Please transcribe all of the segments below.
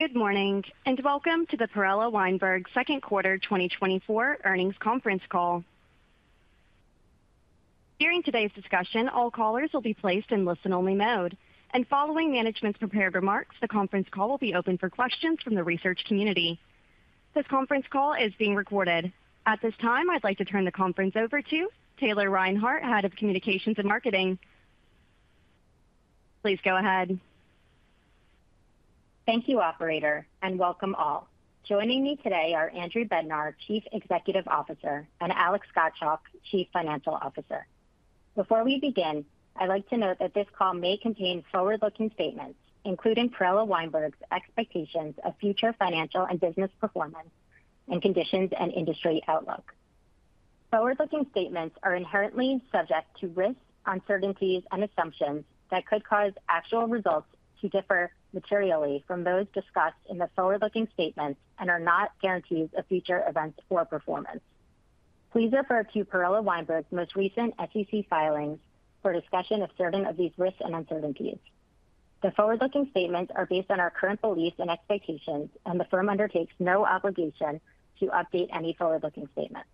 Good morning, and welcome to the Perella Weinberg second quarter 2024 earnings conference call. During today's discussion, all callers will be placed in listen-only mode, and following management's prepared remarks, the conference call will be open for questions from the research community. This conference call is being recorded. At this time, I'd like to turn the conference over to Taylor Rinehart, Head of Communications and Marketing. Please go ahead. Thank you, operator, and welcome all. Joining me today are Andrew Bednar, Chief Executive Officer, and Alexandra Gottschalk, Chief Financial Officer. Before we begin, I'd like to note that this call may contain forward-looking statements, including Perella Weinberg Partners' expectations of future financial and business performance and conditions and industry outlook. Forward-looking statements are inherently subject to risks, uncertainties, and assumptions that could cause actual results to differ materially from those discussed in the forward-looking statements and are not guarantees of future events or performance. Please refer to Perella Weinberg Partners' most recent SEC filings for discussion of certain of these risks and uncertainties. The forward-looking statements are based on our current beliefs and expectations, and the firm undertakes no obligation to update any forward-looking statements.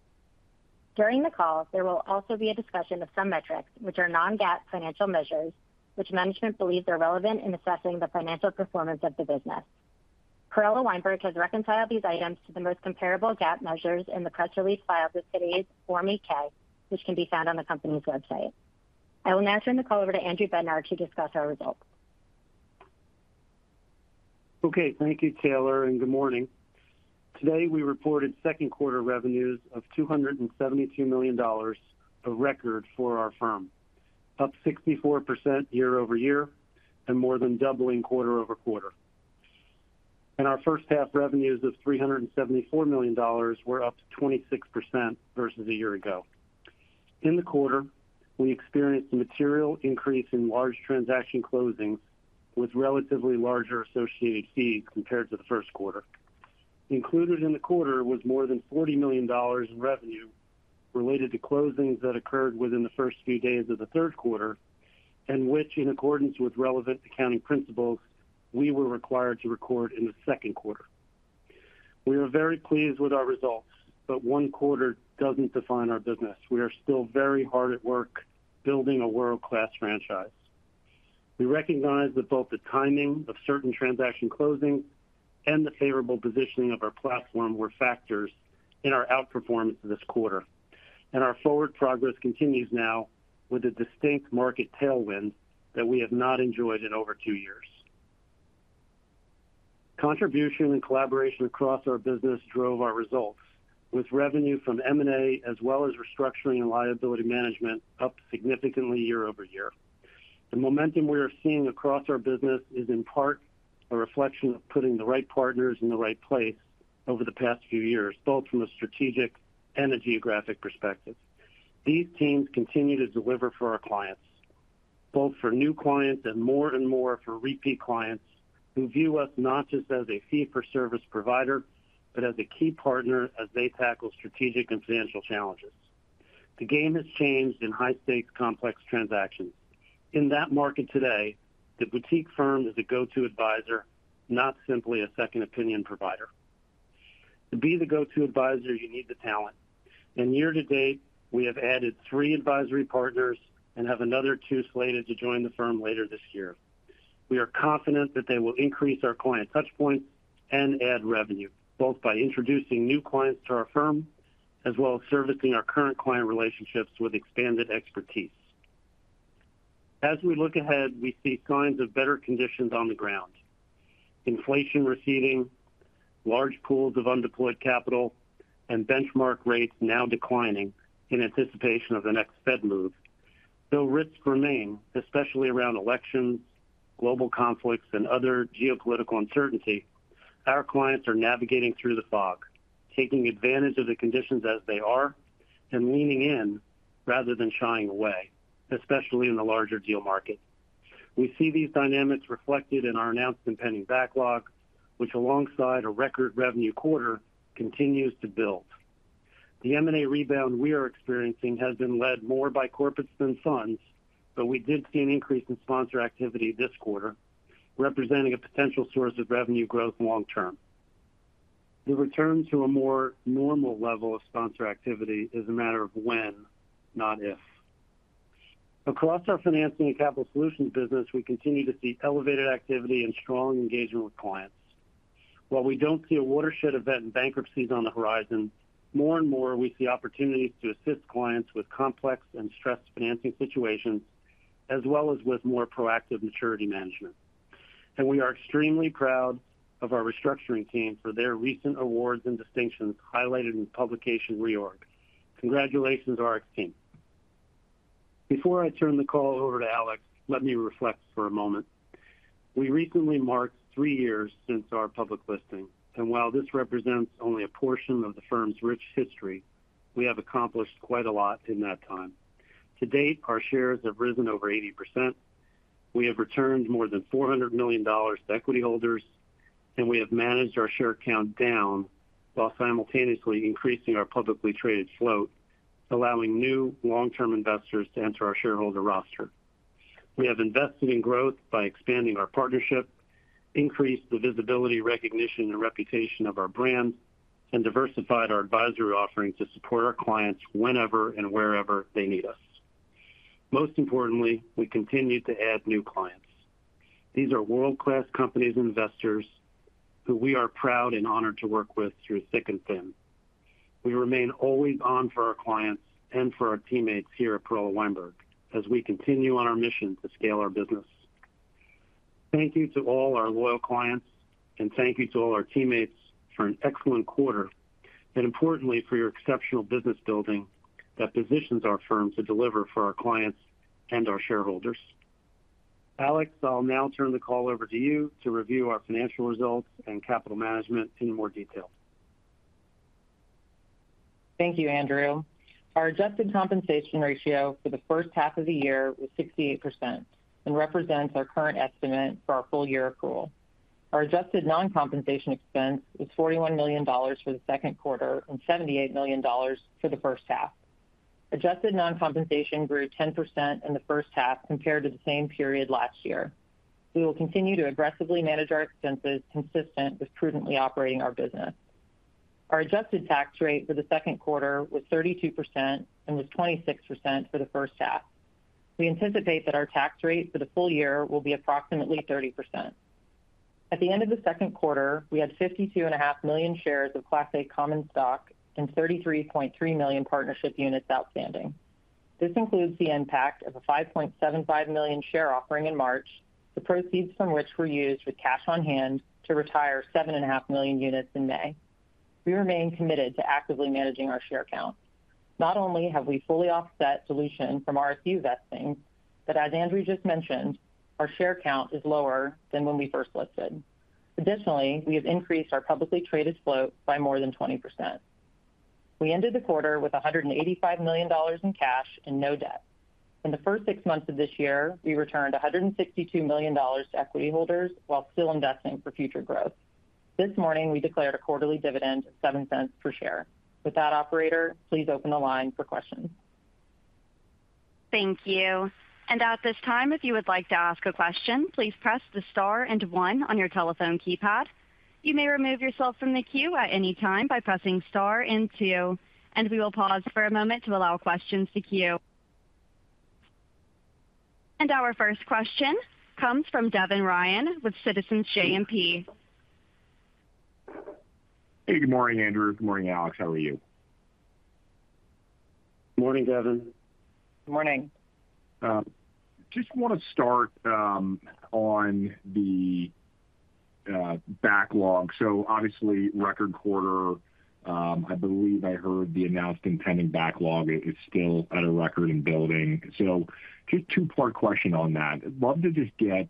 During the call, there will also be a discussion of some metrics which are non-GAAP financial measures, which management believes are relevant in assessing the financial performance of the business. Perella Weinberg has reconciled these items to the most comparable GAAP measures in the press release filed with today's Form 8-K, which can be found on the company's website. I will now turn the call over to Andrew Bednar to discuss our results. Okay. Thank you, Taylor, and good morning. Today, we reported second quarter revenues of $272 million, a record for our firm, up 64% year-over-year and more than doubling quarter-over-quarter. Our first half revenues of $374 million were up 26% versus a year ago. In the quarter, we experienced a material increase in large transaction closings with relatively larger associated fees compared to the first quarter. Included in the quarter was more than $40 million in revenue related to closings that occurred within the first few days of the third quarter, and which, in accordance with relevant accounting principles, we were required to record in the second quarter. We are very pleased with our results, but one quarter doesn't define our business. We are still very hard at work building a world-class franchise. We recognize that both the timing of certain transaction closings and the favorable positioning of our platform were factors in our outperformance this quarter, and our forward progress continues now with a distinct market tailwind that we have not enjoyed in over two years. Contribution and collaboration across our business drove our results, with revenue from M&A, as well as restructuring and liability management, up significantly year over year. The momentum we are seeing across our business is, in part, a reflection of putting the right partners in the right place over the past few years, both from a strategic and a geographic perspective. These teams continue to deliver for our clients, both for new clients and more and more for repeat clients, who view us not just as a fee-for-service provider, but as a key partner as they tackle strategic and financial challenges. The game has changed in high-stakes, complex transactions. In that market today, the boutique firm is a go-to advisor, not simply a second opinion provider. To be the go-to advisor, you need the talent, and year to date, we have added three advisory partners and have another two slated to join the firm later this year. We are confident that they will increase our client touchpoints and add revenue, both by introducing new clients to our firm, as well as servicing our current client relationships with expanded expertise. As we look ahead, we see signs of better conditions on the ground. Inflation receding, large pools of undeployed capital, and benchmark rates now declining in anticipation of the next Fed move. Though risks remain, especially around elections, global conflicts, and other geopolitical uncertainty, our clients are navigating through the fog, taking advantage of the conditions as they are and leaning in rather than shying away, especially in the larger deal market. We see these dynamics reflected in our announced and pending backlog, which, alongside a record revenue quarter, continues to build. The M&A rebound we are experiencing has been led more by corporates than funds, but we did see an increase in sponsor activity this quarter, representing a potential source of revenue growth long term. The return to a more normal level of sponsor activity is a matter of when, not if. Across our financing and capital solutions business, we continue to see elevated activity and strong engagement with clients. While we don't see a watershed event in bankruptcies on the horizon, more and more, we see opportunities to assist clients with complex and stressed financing situations, as well as with more proactive maturity management. We are extremely proud of our restructuring team for their recent awards and distinctions highlighted in publication Reorg. Congratulations to our team. Before I turn the call over to Alexandra, let me reflect for a moment. We recently marked three years since our public listing, and while this represents only a portion of the firm's rich history, we have accomplished quite a lot in that time. To date, our shares have risen over 80%. We have returned more than $400 million to equity holders, and we have managed our share count down while simultaneously increasing our publicly traded float, allowing new long-term investors to enter our shareholder roster.... We have invested in growth by expanding our partnership, increased the visibility, recognition, and reputation of our brand, and diversified our advisory offerings to support our clients whenever and wherever they need us. Most importantly, we continued to add new clients. These are world-class companies and investors who we are proud and honored to work with through thick and thin. We remain always on for our clients and for our teammates here at Perella Weinberg, as we continue on our mission to scale our business. Thank you to all our loyal clients, and thank you to all our teammates for an excellent quarter, and importantly, for your exceptional business building that positions our firm to deliver for our clients and our shareholders. Alexandra, I'll now turn the call over to you to review our financial results and capital management in more detail. Thank you, Andrew. Our adjusted compensation ratio for the first half of the year was 68% and represents our current estimate for our full year pool. Our adjusted non-compensation expense was $41 million for the second quarter and $78 million for the first half. Adjusted non-compensation grew 10% in the first half compared to the same period last year. We will continue to aggressively manage our expenses consistent with prudently operating our business. Our adjusted tax rate for the second quarter was 32% and was 26% for the first half. We anticipate that our tax rate for the full year will be approximately 30%. At the end of the second quarter, we had 52.5 million shares of Class A common stock and 33.3 million Partnership Units outstanding. This includes the impact of a 5.75 million share offering in March, the proceeds from which were used with cash on hand to retire 7.5 million units in May. We remain committed to actively managing our share count. Not only have we fully offset dilution from our RSU vesting, but as Andrew just mentioned, our share count is lower than when we first listed. Additionally, we have increased our publicly traded float by more than 20%. We ended the quarter with $185 million in cash and no debt. In the first six months of this year, we returned $162 million to equity holders while still investing for future growth. This morning, we declared a quarterly dividend of $0.07 per share. With that, operator, please open the line for questions. Thank you. And at this time, if you would like to ask a question, please press the star and one on your telephone keypad. You may remove yourself from the queue at any time by pressing star and two, and we will pause for a moment to allow questions to queue. And our first question comes from Devin Ryan with Citizens JMP. Hey, good morning, Andrew. Good morning, Alexandra. How are you? Morning, Devin. Good morning. Just want to start on the backlog. So obviously, record quarter. I believe I heard the announced and pending backlog is still at a record in building. So just two-part question on that. I'd love to just get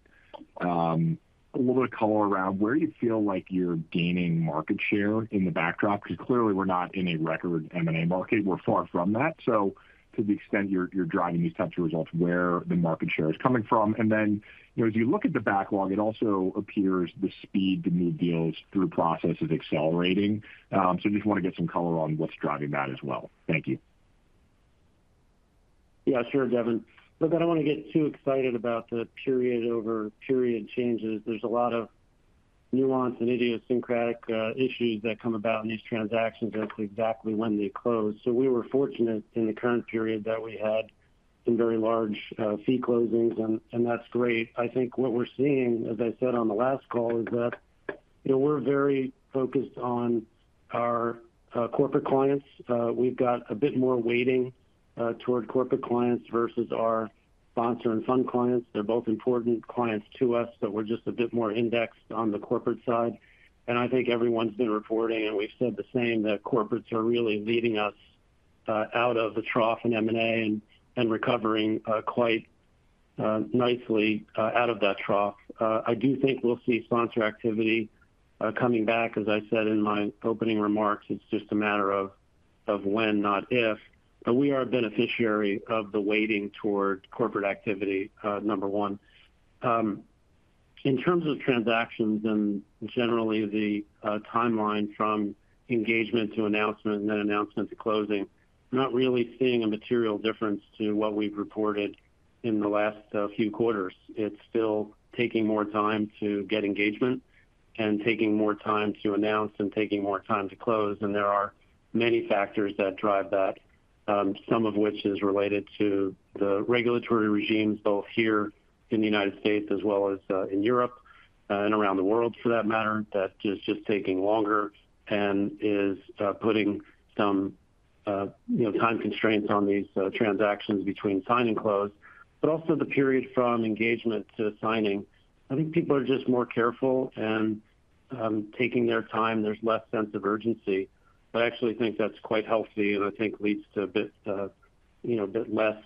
a little bit of color around where you feel like you're gaining market share in the backlog, because clearly we're not in a record M&A market. We're far from that. So to the extent you're driving these types of results, where the market share is coming from. And then, you know, as you look at the backlog, it also appears the speed to move deals through process is accelerating. So just want to get some color on what's driving that as well. Thank you. Yeah, sure, Devin. Look, I don't want to get too excited about the period-over-period changes. There's a lot of nuance and idiosyncratic issues that come about in these transactions as to exactly when they close. So we were fortunate in the current period that we had some very large fee closings, and that's great. I think what we're seeing, as I said on the last call, is that, you know, we're very focused on our corporate clients. We've got a bit more weighting toward corporate clients versus our sponsor and fund clients. They're both important clients to us, but we're just a bit more indexed on the corporate side. I think everyone's been reporting, and we've said the same, that corporates are really leading us out of the trough in M&A and recovering quite nicely out of that trough. I do think we'll see sponsor activity coming back, as I said in my opening remarks. It's just a matter of when, not if. We are a beneficiary of the weighting toward corporate activity, number one. In terms of transactions and generally the timeline from engagement to announcement and then announcement to closing, I'm not really seeing a material difference to what we've reported in the last few quarters. It's still taking more time to get engagement and taking more time to announce and taking more time to close, and there are many factors that drive that, some of which is related to the regulatory regimes, both here in the United States as well as in Europe and around the world, for that matter. That is just taking longer and is, you know, time constraints on these transactions between sign and close, but also the period from engagement to signing. I think people are just more careful and taking their time. There's less sense of urgency, but I actually think that's quite healthy and I think leads to a bit, you know, a bit less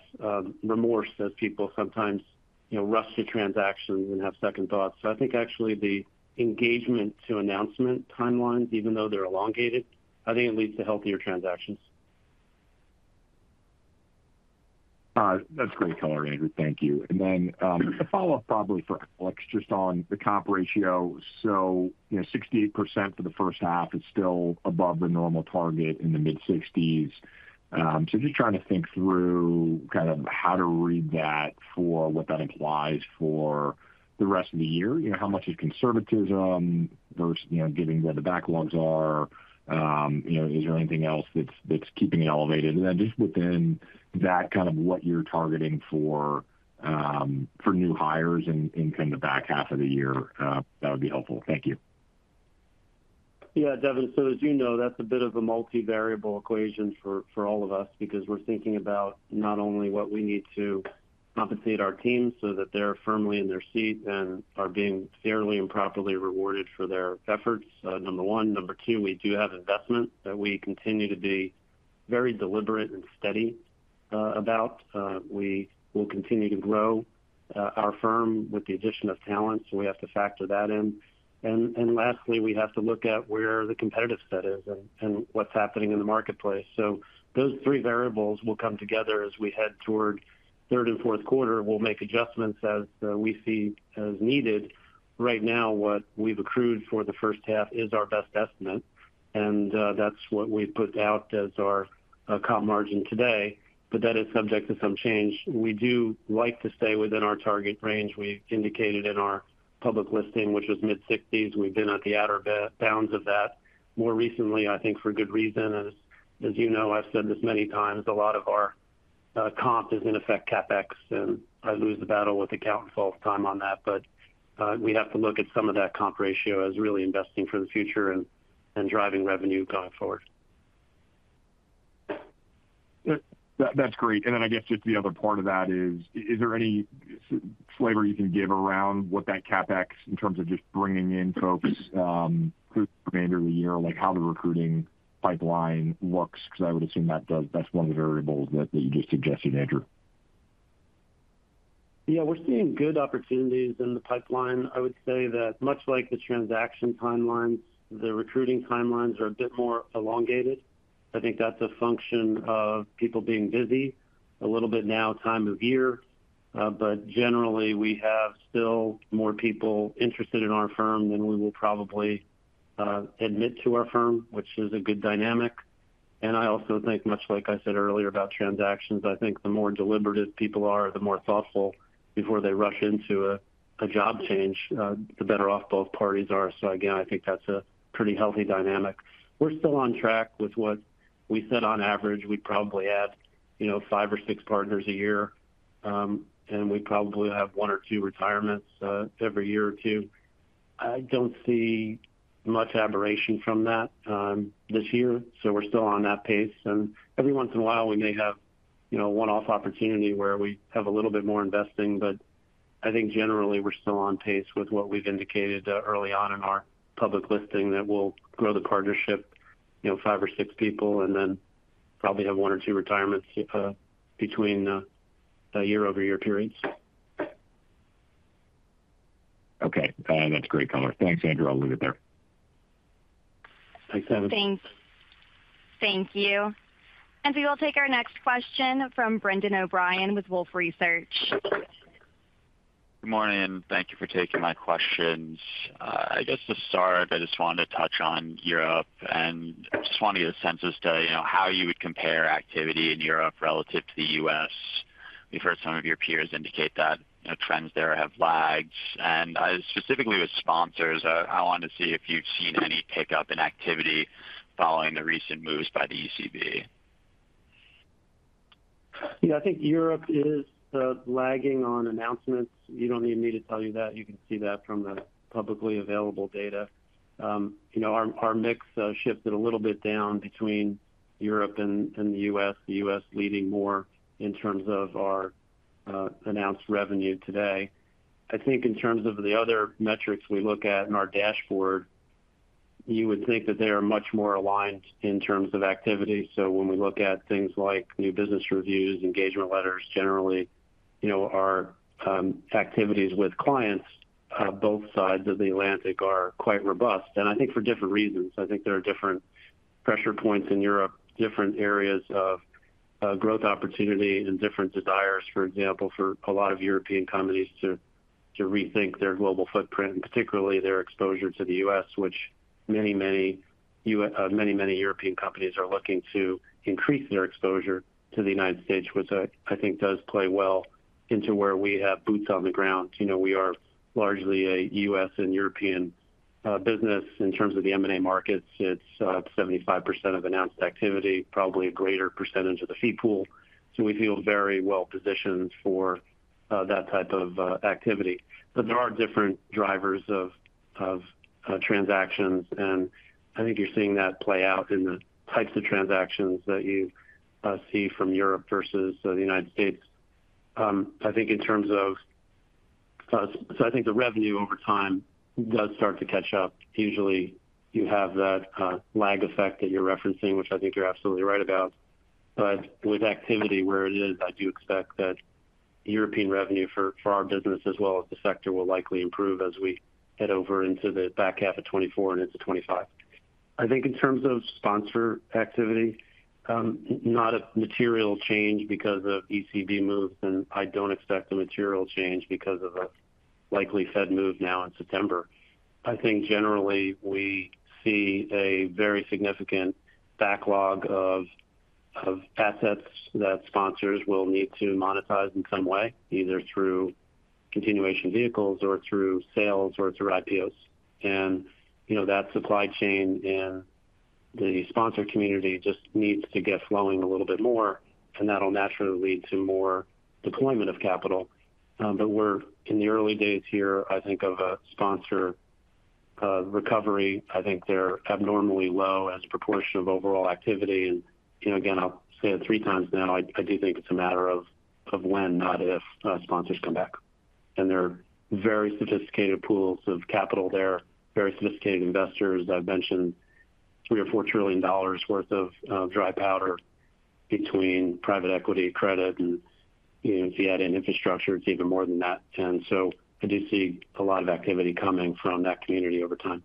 remorse as people sometimes, you know, rush to transactions and have second thoughts. I think actually the engagement to announcement timelines, even though they're elongated, I think it leads to healthier transactions. ... That's great color, Andrew. Thank you. And then, a follow-up probably for Alexandra, just on the comp ratio. So, you know, 68% for the first half is still above the normal target in the mid-60s. So just trying to think through kind of how to read that for what that implies for the rest of the year. You know, how much is conservatism versus, you know, getting where the backlogs are? You know, is there anything else that's, that's keeping it elevated? And then just within that, kind of what you're targeting for, for new hires in, in kind of the back half of the year, that would be helpful. Thank you. Yeah, Devin. So as you know, that's a bit of a multivariable equation for all of us because we're thinking about not only what we need to compensate our team so that they're firmly in their seat and are being fairly and properly rewarded for their efforts, number one. Number two, we do have investment that we continue to be very deliberate and steady about. We will continue to grow our firm with the addition of talent, so we have to factor that in. And lastly, we have to look at where the competitive set is and what's happening in the marketplace. So those three variables will come together as we head toward third and fourth quarter. We'll make adjustments as we see as needed. Right now, what we've accrued for the first half is our best estimate, and that's what we've put out as our comp margin today, but that is subject to some change. We do like to stay within our target range. We've indicated in our public listing, which was mid-sixties. We've been at the outer bounds of that more recently, I think for good reason, and as you know, I've said this many times, a lot of our comp is in effect, CapEx, and I lose the battle with accountants all the time on that. But we have to look at some of that comp ratio as really investing for the future and driving revenue going forward. That, that's great. And then I guess just the other part of that is, is there any flavor you can give around what that CapEx, in terms of just bringing in folks, through the remainder of the year, like how the recruiting pipeline looks? Because I would assume that does, that's one of the variables that, that you just suggested, Andrew. Yeah, we're seeing good opportunities in the pipeline. I would say that much like the transaction timelines, the recruiting timelines are a bit more elongated. I think that's a function of people being busy, a little bit now, time of year. But generally, we have still more people interested in our firm than we will probably admit to our firm, which is a good dynamic. And I also think, much like I said earlier about transactions, I think the more deliberative people are, the more thoughtful before they rush into a job change, the better off both parties are. So again, I think that's a pretty healthy dynamic. We're still on track with what we said on average. We probably add, you know, five or six partners a year, and we probably have one or two retirements every year or two. I don't see much aberration from that, this year, so we're still on that pace. Every once in a while, we may have, you know, a one-off opportunity where we have a little bit more investing. But I think generally, we're still on pace with what we've indicated, early on in our public listing, that we'll grow the partnership, you know, five or six people, and then probably have one or two retirements, between year-over-year periods. Okay. That's great color. Thanks, Andrew. I'll leave it there. Thanks, Devin. Thanks. Thank you. We will take our next question from Brendan O’Brien with Wolfe Research. Good morning. Thank you for taking my questions. I guess to start, I just wanted to touch on Europe and just want to get a sense as to, you know, how you would compare activity in Europe relative to the US. We've heard some of your peers indicate that, you know, trends there have lagged. And, specifically with sponsors, I wanted to see if you've seen any pickup in activity following the recent moves by the ECB. Yeah, I think Europe is lagging on announcements. You don't need me to tell you that. You can see that from the publicly available data. You know, our mix shifted a little bit down between Europe and the U.S., the U.S. leading more in terms of our announced revenue today. I think in terms of the other metrics we look at in our dashboard, you would think that they are much more aligned in terms of activity. So when we look at things like new business reviews, engagement letters, generally, you know, our activities with clients, both sides of the Atlantic are quite robust, and I think for different reasons. I think there are different pressure points in Europe, different areas of growth opportunity and different desires, for example, for a lot of European companies to rethink their global footprint, and particularly their exposure to the U.S., which many, many European companies are looking to increase their exposure to the United States, which I think does play well into where we have boots on the ground. You know, we are largely a U.S. and European business. In terms of the M&A markets, it's 75% of announced activity, probably a greater percentage of the fee pool, so we feel very well positioned for that type of activity. But there are different drivers of transactions, and I think you're seeing that play out in the types of transactions that you see from Europe versus the United States. I think in terms of so I think the revenue over time does start to catch up. Usually, you have that, lag effect that you're referencing, which I think you're absolutely right about. But with activity where it is, I do expect that European revenue for our business as well as the sector, will likely improve as we head over into the back half of 2024 and into 2025. I think in terms of sponsor activity, not a material change because of ECB moves, and I don't expect a material change because of a likely Fed move now in September. I think generally we see a very significant backlog of assets that sponsors will need to monetize in some way, either through continuation vehicles or through sales or through IPOs. You know, that supply chain and the sponsor community just needs to get flowing a little bit more, and that'll naturally lead to more deployment of capital. But we're in the early days here, I think, of a sponsor recovery. I think they're abnormally low as a proportion of overall activity. And, you know, again, I'll say it three times now, I do think it's a matter of when, not if, sponsors come back. And there are very sophisticated pools of capital there, very sophisticated investors. I've mentioned $3 or 4 trillion worth of dry powder between private equity, credit, and, you know, if you add in infrastructure, it's even more than that. And so I do see a lot of activity coming from that community over time.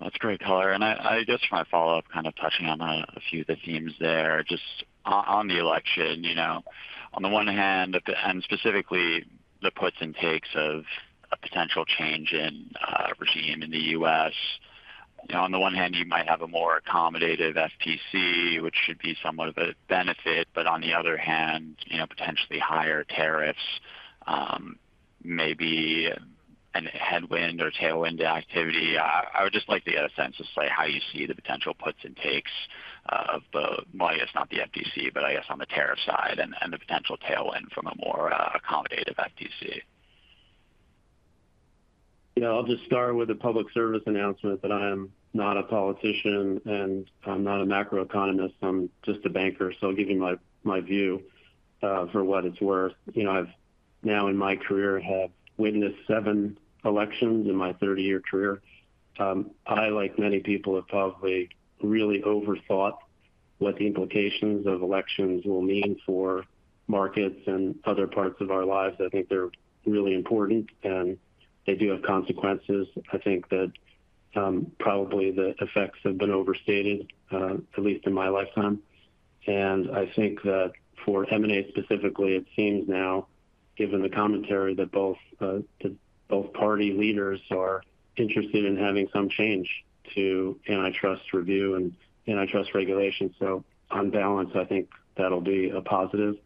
That's great color. And I just want to follow up, kind of touching on a few of the themes there, just on the election, you know. On the one hand—and specifically the puts and takes of a potential change in regime in the U.S. You know, on the one hand, you might have a more accommodative FTC, which should be somewhat of a benefit, but on the other hand, you know, potentially higher tariffs, maybe a headwind or tailwind activity. I would just like to get a sense of, say, how you see the potential puts and takes of the, well, I guess, not the FTC, but I guess on the tariff side and the potential tailwind from a more accommodative FTC. You know, I'll just start with a public service announcement, that I am not a politician, and I'm not a macroeconomist. I'm just a banker. So I'll give you my view for what it's worth. You know, I've now in my career have witnessed seven elections in my 30-year career. I like many people have probably really overthought what the implications of elections will mean for markets and other parts of our lives. I think they're really important, and they do have consequences. I think that probably the effects have been overstated at least in my lifetime. And I think that for M&A specifically, it seems now, given the commentary, that both party leaders are interested in having some change to antitrust review and antitrust regulation. So on balance, I think that'll be a positive.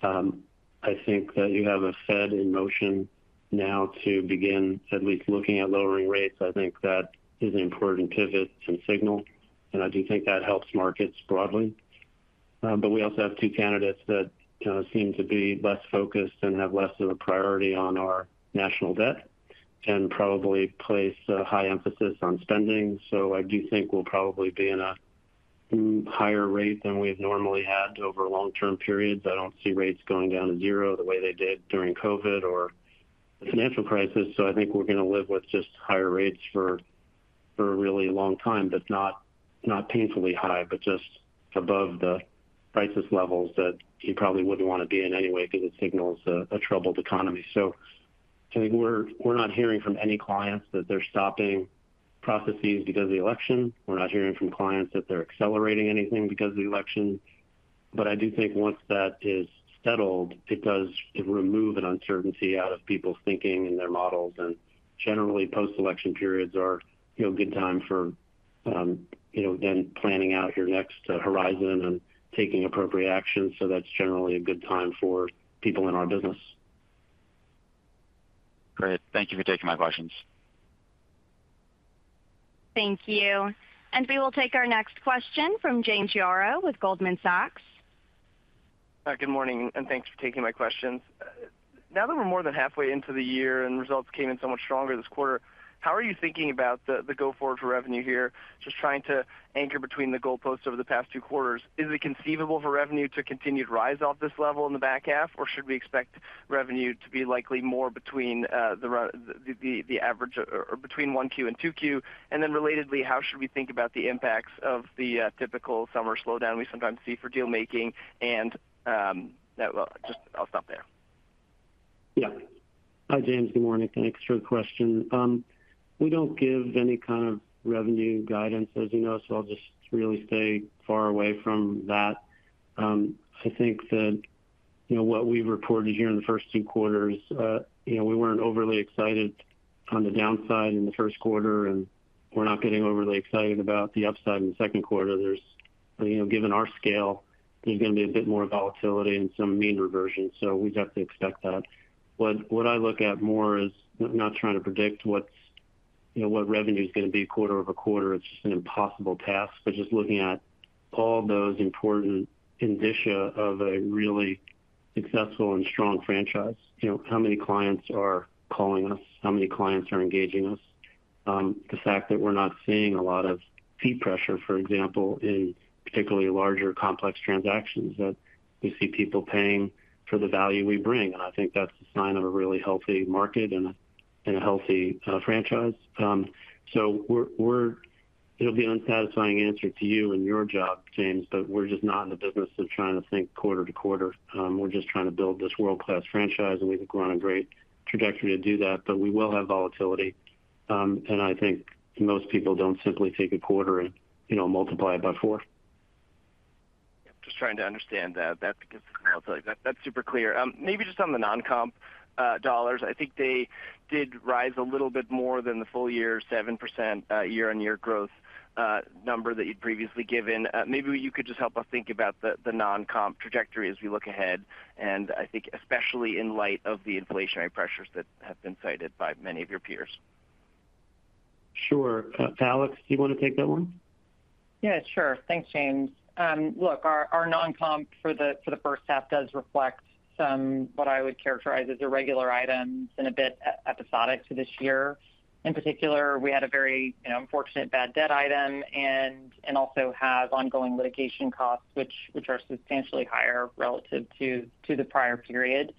I think that you have a Fed in motion now to begin at least looking at lowering rates. I think that is an important pivot and signal, and I do think that helps markets broadly. But we also have two candidates that seem to be less focused and have less of a priority on our national debt, and probably place a high emphasis on spending. So I do think we'll probably be in a higher rate than we've normally had over long-term periods. I don't see rates going down to zero the way they did during COVID or the financial crisis, so I think we're going to live with just higher rates for a really long time, but not painfully high, but just above the crisis levels that you probably wouldn't want to be in anyway, because it signals a troubled economy. So I think we're, we're not hearing from any clients that they're stopping processes because of the election. We're not hearing from clients that they're accelerating anything because of the election. But I do think once that is settled, it does remove an uncertainty out of people's thinking and their models. And generally, post-election periods are, you know, a good time for, you know, again, planning out your next horizon and taking appropriate action. So that's generally a good time for people in our business. Great. Thank you for taking my questions. Thank you. We will take our next question from James Yaro with Goldman Sachs. Good morning, and thanks for taking my questions. Now that we're more than halfway into the year and results came in so much stronger this quarter, how are you thinking about the go-forward for revenue here? Just trying to anchor between the goalposts over the past two quarters, is it conceivable for revenue to continue to rise off this level in the back half, or should we expect revenue to be likely more between the average or between 1Q and 2Q? And then relatedly, how should we think about the impacts of the typical summer slowdown we sometimes see for deal making? And, well, just I'll stop there. Yeah. Hi, James. Good morning. Thanks for the question. We don't give any kind of revenue guidance, as you know, so I'll just really stay far away from that. I think that, you know, what we've reported here in the first two quarters, you know, we weren't overly excited on the downside in the first quarter, and we're not getting overly excited about the upside in the second quarter. There's, you know, given our scale, there's going to be a bit more volatility and some mean reversion, so we'd have to expect that. But what I look at more is not trying to predict what's, you know, what revenue is going to be quarter over quarter. It's just an impossible task, but just looking at all those important indicia of a really successful and strong franchise. You know, how many clients are calling us? How many clients are engaging us? The fact that we're not seeing a lot of fee pressure, for example, in particularly larger, complex transactions, that we see people paying for the value we bring. And I think that's a sign of a really healthy market and a healthy franchise. So it'll be an unsatisfying answer to you and your job, James, but we're just not in the business of trying to think quarter to quarter. And I think most people don't simply take a quarter and, you know, multiply it by four. Just trying to understand that. That's, that's super clear. Maybe just on the non-comp dollars, I think they did rise a little bit more than the full year, 7%, year-on-year growth number that you'd previously given. Maybe you could just help us think about the non-comp trajectory as we look ahead, and I think especially in light of the inflationary pressures that have been cited by many of your peers. Sure. Alexandra, do you want to take that one? Yeah, sure. Thanks, James. Look, our non-comp for the first half does reflect somewhat what I would characterize as irregular items and a bit episodic to this year. In particular, we had a very, you know, unfortunate bad debt item and also have ongoing litigation costs, which are substantially higher relative to the prior period.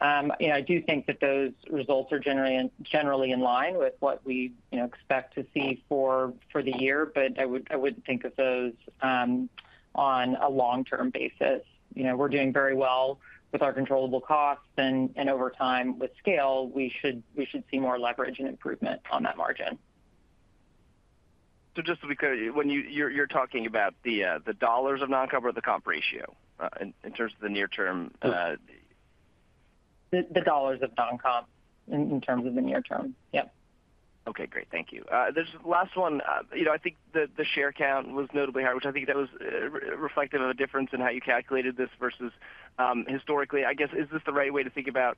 And I do think that those results are generally in line with what we, you know, expect to see for the year. But I wouldn't think of those on a long-term basis. You know, we're doing very well with our controllable costs, and over time, with scale, we should see more leverage and improvement on that margin. Just to be clear, when you—you're talking about the dollars of non-comp or the comp ratio, in terms of the near term, The dollars of non-comp in terms of the near term. Yep. Okay, great. Thank you. This last one, you know, I think the share count was notably higher, which I think that was reflective of a difference in how you calculated this versus historically. I guess, is this the right way to think about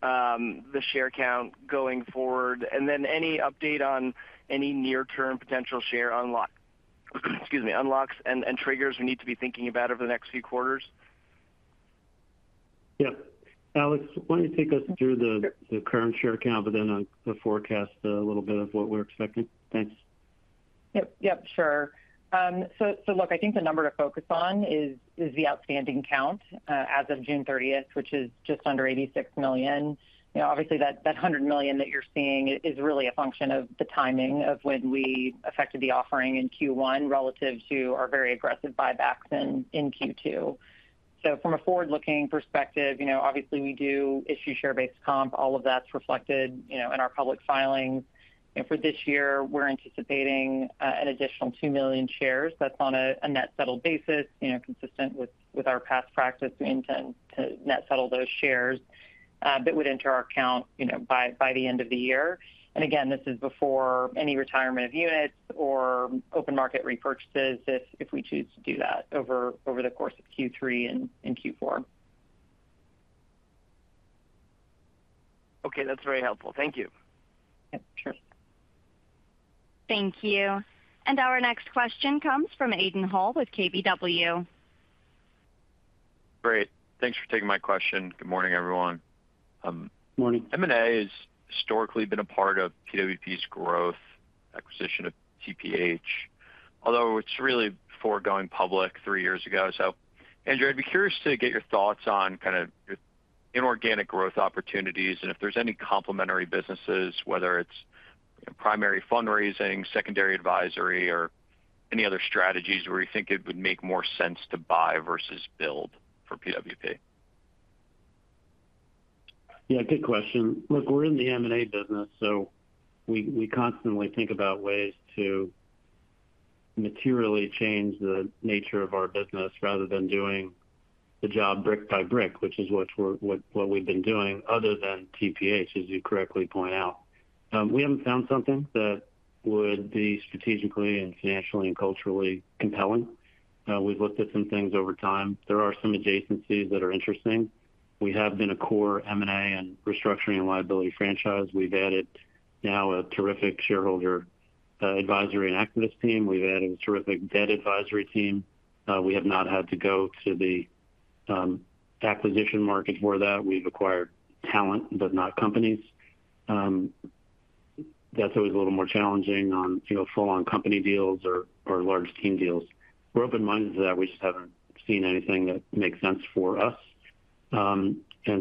the share count going forward? And then any update on any near-term potential share unlock, excuse me, unlocks and triggers we need to be thinking about over the next few quarters? Yeah. Alex, why don't you take us through the current share count, but then on the forecast, a little bit of what we're expecting? Thanks. Yep, yep, sure. So look, I think the number to focus on is the outstanding count as of June 30th, which is just under 86 million. You know, obviously, that 100 million that you're seeing is really a function of the timing of when we affected the offering in Q1 relative to our very aggressive buybacks in Q2. So from a forward-looking perspective, you know, obviously, we do issue share-based comp. All of that's reflected, you know, in our public filings. And for this year, we're anticipating an additional 2 million shares. That's on a net settled basis, you know, consistent with our past practice, we intend to net settle those shares that would enter our account, you know, by the end of the year. And again, this is before any retirement of units or open market repurchases, if we choose to do that over the course of Q3 and Q4. Okay, that's very helpful. Thank you. Yep, sure. Thank you. Our next question comes from Aidan Hall with KBW. Great. Thanks for taking my question. Good morning, everyone. Morning. M&A has historically been a part of PWP's growth, acquisition of TPH, although it's really before going public three years ago. So, Andrew, I'd be curious to get your thoughts on kind of inorganic growth opportunities and if there's any complementary businesses, whether it's primary fundraising, secondary advisory, or any other strategies where you think it would make more sense to buy versus build for PWP? Yeah, good question. Look, we're in the M&A business, so we constantly think about ways to materially change the nature of our business rather than doing the job brick by brick, which is what we've been doing, other than TPH, as you correctly point out. We haven't found something that would be strategically and financially and culturally compelling. We've looked at some things over time. There are some adjacencies that are interesting. We have been a core M&A and restructuring and liability franchise. We've added now a terrific shareholder advisory and activist team. We've added a terrific debt advisory team. We have not had to go to the acquisition market for that. We've acquired talent, but not companies. That's always a little more challenging on, you know, full-on company deals or large team deals. We're open-minded to that. We just haven't seen anything that makes sense for us.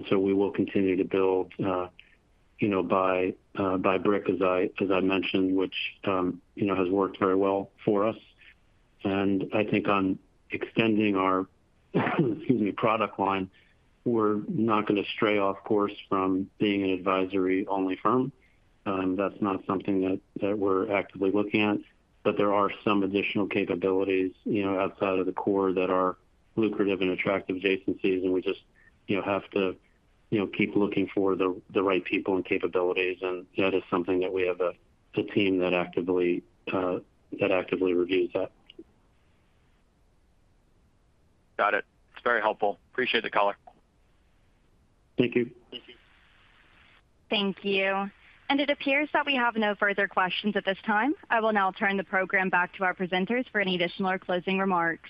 So we will continue to build, you know, by brick, as I mentioned, which, you know, has worked very well for us. I think on extending our, excuse me, product line, we're not going to stray off course from being an advisory-only firm, and that's not something that we're actively looking at. But there are some additional capabilities, you know, outside of the core that are lucrative and attractive adjacencies, and we just, you know, have to, you know, keep looking for the right people and capabilities, and that is something that we have a team that actively reviews that. Got it. It's very helpful. Appreciate the call. Thank you. Thank you. Thank you. It appears that we have no further questions at this time. I will now turn the program back to our presenters for any additional or closing remarks.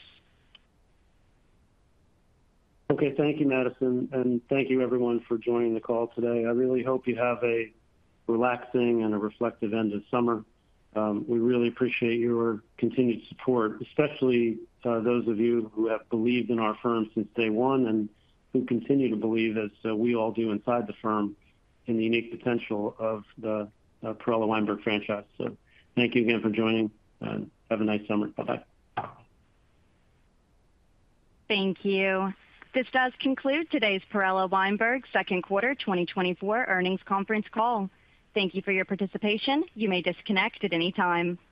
Okay, thank you, Madison, and thank you everyone for joining the call today. I really hope you have a relaxing and a reflective end of summer. We really appreciate your continued support, especially those of you who have believed in our firm since day one and who continue to believe, as we all do inside the firm, in the unique potential of the Perella Weinberg franchise. So thank you again for joining, and have a nice summer. Bye-bye. Thank you. This does conclude today's Perella Weinberg second quarter 2024 earnings conference call. Thank you for your participation. You may disconnect at any time.